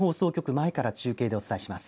前から中継でお伝えします。